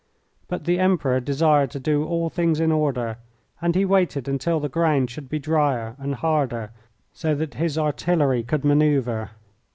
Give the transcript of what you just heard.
But the Emperor desired to do all things in order, and he waited until the ground should be drier and harder, so that his artillery could manoeuvre.